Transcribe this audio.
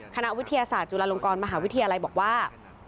คณะวิทยาศาสตร์จุฬาลงกรมหาวิทยาลัยบอกว่า